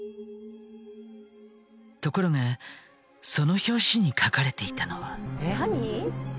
ところがその表紙に書かれていたのは。